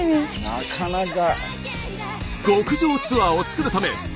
なかなか。